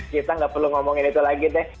kita nggak perlu ngomongin itu lagi deh